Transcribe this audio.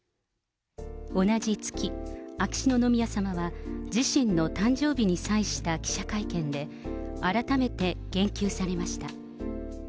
同じ月、秋篠宮さまは自身の誕生日に際した記者会見で、改めて言及されました。